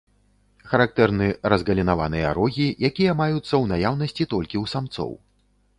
Характэрны разгалінаваныя рогі, якія маюцца ў наяўнасці толькі ў самцоў.